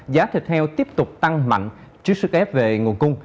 giá thịt heo tiếp tục tăng mạnh trước sức ép về nguồn cung